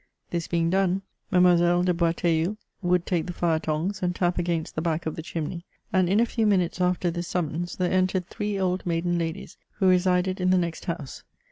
This being done. Mademoiselle 60 MEMOIRS OF de Boisteilleul would take the fire tongs, and tap against the back of the chimneyy and in a few minutes after this sum mons, there entered three old maiden ladies who resided in the next house.